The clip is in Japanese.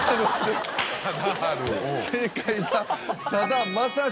正解は。